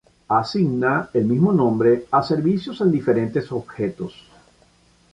Asigna el mismo nombre a servicios en diferentes objetos.